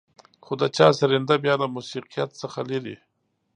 خو د چا سرېنده بيا له موسيقيت څخه لېرې.